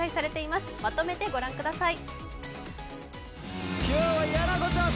まとめて御覧ください。